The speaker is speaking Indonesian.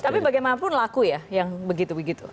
tapi bagaimanapun laku ya yang begitu begitu